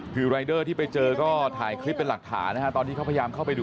คือรายเดอร์ที่ไปเจอก็ถ่ายคลิปเป็นหลักฐานนะฮะตอนนี้เขาพยายามเข้าไปดู